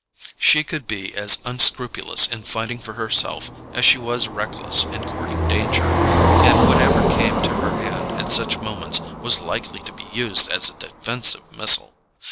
She could be as unscrupulous in fighting for herself as she was reckless in courting danger, and whatever came to her hand at such moments was likely to be used as a defensive missile.